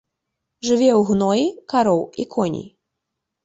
Жыве ў гноі кароў і коней.